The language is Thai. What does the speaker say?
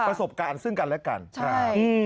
ประสบการณ์ซึ่งกันและกันใช่